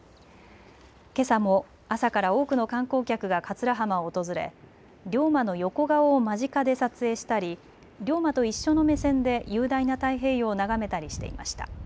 けさも朝から多くの観光客が桂浜を訪れ龍馬の横顔を間近で撮影したり龍馬と一緒の目線で雄大な太平洋を眺めたりしていました。